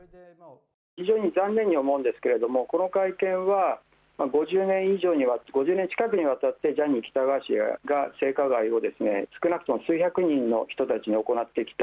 非常に残念に思うんですがこの会見は５０年近くにわたってジャニー喜多川氏が性加害を少なくとも数百人の人たちに行ってきた。